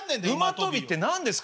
馬跳びって何ですか？